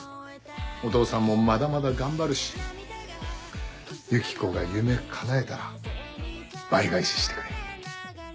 お父さんもまだまだ頑張るしユキコが夢かなえたら倍返ししてくれ。